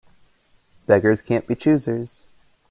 Beggars can't be choosers.